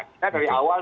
cina dari awal